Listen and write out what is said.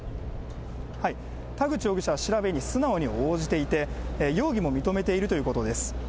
田口容疑者は調べに素直に応じていて、容疑も認めているということです。